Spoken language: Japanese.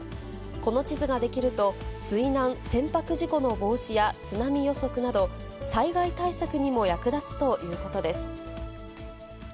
この地図が出来ると、水難、船舶事故の防止や津波予測など、災害対策にも役立つということです。